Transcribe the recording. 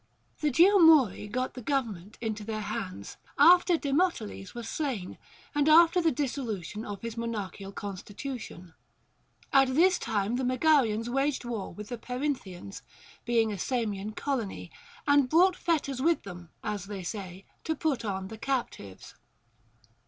The Geomori got the government into their hands, after Demoteles was slain, and after the dissolution of his monarchial constitution. At this time the Megarians waged war with the Perinthians, being a Samian colony, THE GREEK QUESTIONS. 291 and brought fetters with them (as they say) to put on the captives.